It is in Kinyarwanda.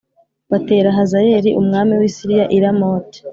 batera hazayeli umwami w i siriya i ramoti